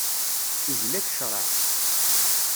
Izla-k ccreɛ.